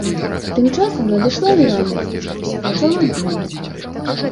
Тым часам надышла і раніца, пачало днець.